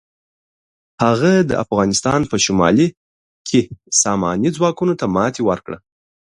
هغه د افغانستان په شمالي کې ساماني ځواکونو ته ماتې ورکړه.